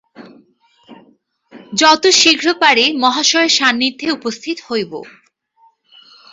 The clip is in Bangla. যত শীঘ্র পারি মহাশয়ের সান্নিধ্যে উপস্থিত হইব।